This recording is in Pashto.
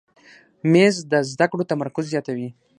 مېز د زده کړو تمرکز زیاتوي.